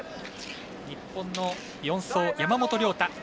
日本の４走、山本涼太。